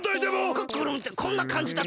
クックルンってこんなかんじだったっけ？